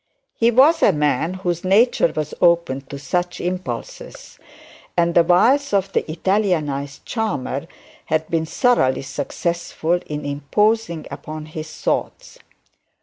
He was a man whose nature was open to such impulses, and the wiles of the Italianised charmer had been thoroughly successful in imposing upon his thoughts.